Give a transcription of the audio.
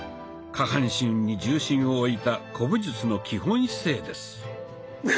下半身に重心をおいた古武術の基本姿勢です。